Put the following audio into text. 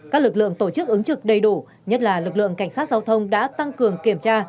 các lực lượng tổ chức ứng trực đầy đủ nhất là lực lượng cảnh sát giao thông đã tăng cường kiểm tra